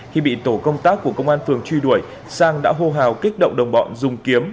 khi bị tổ công tác của công an phường truy đuổi sang đã hô hào kích động đồng bọn dùng kiếm